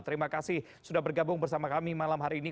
terima kasih sudah bergabung bersama kami malam hari ini